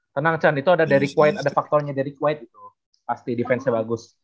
tenang chan itu ada dari quite ada faktornya dari quite itu pasti defense nya bagus